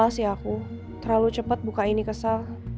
salah sih aku terlalu cepet buka ini ke sal